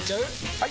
・はい！